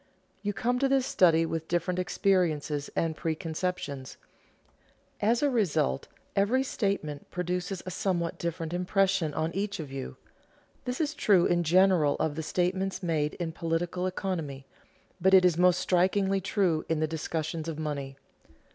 You come to this study with different experiences and preconceptions; as a result every statement produces a somewhat different impression on each of you. This is true in general of the statements made in political economy; but it is most strikingly true in the discussions of money.